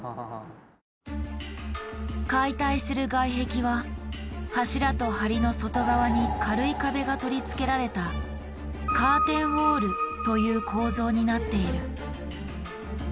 解体する外壁は柱と梁の外側に軽い壁が取り付けられた「カーテンウォール」という構造になっている。